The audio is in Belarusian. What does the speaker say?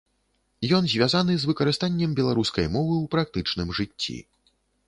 Ён звязаны з выкарыстаннем беларускай мовы ў практычным жыцці.